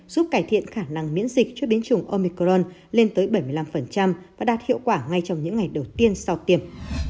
giúp cải thiện khả năng miễn dịch cho biến chủng omicron lên tới bảy mươi năm và đạt hiệu quả ngay trong những ngày đầu tiên sau tiêm